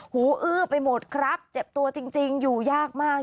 หูอื้อไปหมดครับเจ็บตัวจริงอยู่ยากมาก